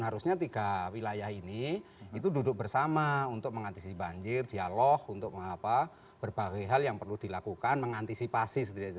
harusnya tiga wilayah ini itu duduk bersama untuk mengantisipasi banjir dialog untuk berbagai hal yang perlu dilakukan mengantisipasi